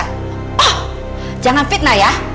oh jangan fitnah ya